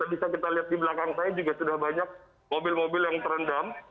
bisa kita lihat di belakang saya juga sudah banyak mobil mobil yang terendam